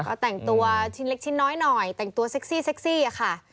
ก็แต่งตัวชิ้นเล็กชิ้นน้อยแต่งตัวเซ็กซี่อะค่ะ